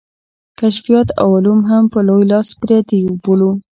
کشفیات او علوم هم په لوی لاس پردي بولو.